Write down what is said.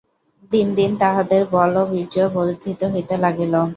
দিন দিন তাঁহাদের বলবীর্য বর্ধিত হইতে লাগিল।